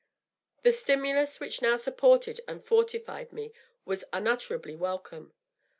The stimulus which now supported and fortified me was unutterably welcome.